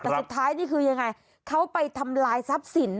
แต่สุดท้ายนี่คือยังไงเขาไปทำลายทรัพย์สิน